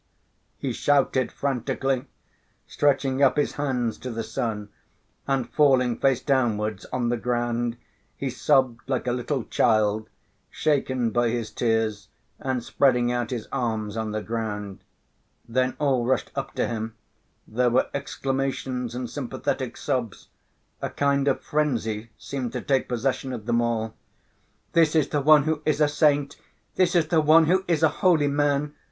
he shouted frantically, stretching up his hands to the sun, and falling face downwards on the ground, he sobbed like a little child, shaken by his tears and spreading out his arms on the ground. Then all rushed up to him; there were exclamations and sympathetic sobs ... a kind of frenzy seemed to take possession of them all. "This is the one who is a saint! This is the one who is a holy man!"